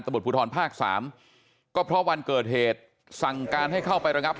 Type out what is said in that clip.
ตำรวจภูทรภาคสามก็เพราะวันเกิดเหตุสั่งการให้เข้าไประงับ